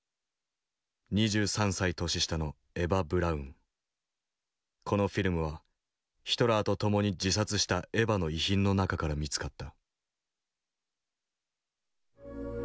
２３歳年下のこのフィルムはヒトラーと共に自殺したエヴァの遺品の中から見つかった。